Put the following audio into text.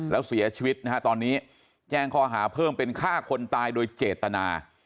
แล้วเสียชีวิตนะฮะตอนนี้แจ้งข้อหาเพิ่มเป็นฆ่าคนตายโดยเจตนา